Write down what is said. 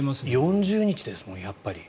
４０日ですもんやっぱり。